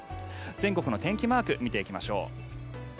全国の天気マーク見ていきましょう。